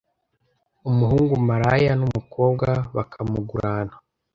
umuhungu maraya n umukobwa bakamugurana